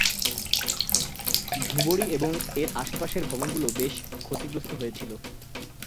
ধুবড়ী এবং এর আশপাশের ভবনগুলো বেশি ক্ষতিগ্রস্ত হয়েছিল।